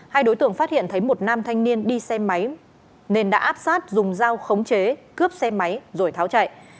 hai đối tượng phát hiện thấy một nam thanh niên đi xe máy nên đã áp sát dùng dao khống chế cướp xe máy rồi tháo chạy